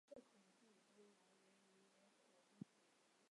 萧族部族回鹘裔。